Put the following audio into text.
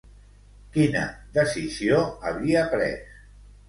Quina decisió havia pres?